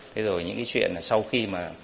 thế rồi những cái chuyện là sau khi mà